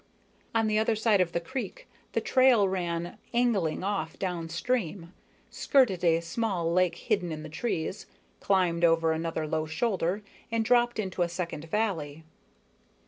On the other side of the creek, the trail ran angling off downstream, skirted a small lake hidden in the trees, climbed over another low shoulder and dropped into a second valley.